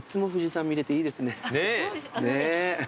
そうですあのね。